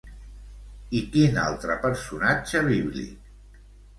I quin altre personatge bíblic?